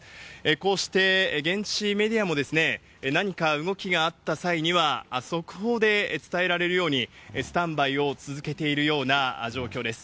こうして現地メディアも、何か動きがあった際には、速報で伝えられるようにスタンバイを続けているような状況です。